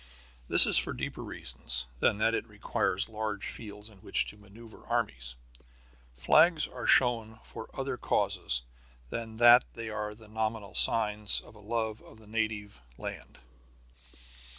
This is for deeper reasons than that it requires large fields in which to manoeuvre armies. Flags are shown for other causes than that they are the nominal signs of a love of the native land.